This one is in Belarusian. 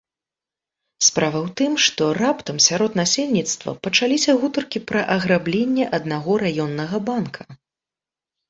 Справа ў тым, што раптам сярод насельніцтва пачаліся гутаркі пра аграбленне аднаго раённага банка.